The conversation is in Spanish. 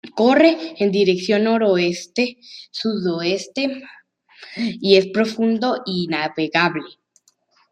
Corre en dirección noroeste-sudeste y es profundo y navegable.